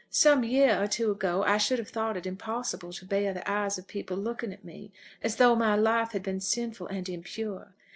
Some year or two ago I should have thought it impossible to bear the eyes of people looking at me, as though my life had been sinful and impure.